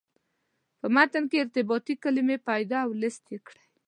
په متن کې ارتباطي کلمې پیدا او لست یې کړئ.